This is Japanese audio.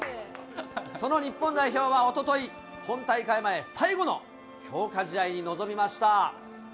その日本代表はおととい、本大会前最後の強化試合に臨みました。